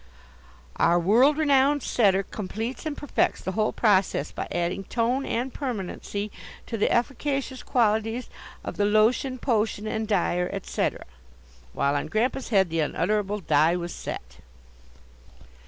"Our world renowned setter completes and perfects the whole process by adding tone and permanency to the efficacious qualities of the lotion, potion, and dyer, etc.;" while on Grandpa's head the unutterable dye was set.